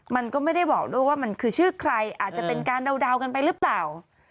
มันก็ไม่ได้บอกด้วยว่ามันคือชื่อใครอาจจะเป็นการเดากันไปหรือเปล่า